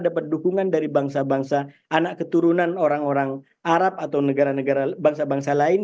dapat dukungan dari bangsa bangsa anak keturunan orang orang arab atau negara negara bangsa bangsa lain